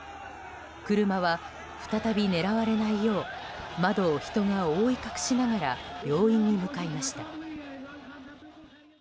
車は再び狙われないよう窓を人が覆い隠しながら病院に向かいました。